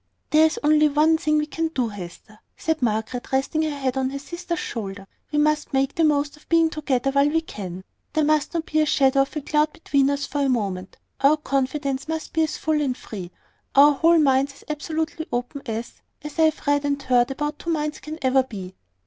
"There is only one thing we can do, Hester," said Margaret, resting her head on her sister's shoulder. "We must make the most of being together while we can. There must not be the shadow of a cloud between us for a moment. Our confidence must be as full and free, our whole minds as absolutely open, as as I have read and heard that two minds can never be."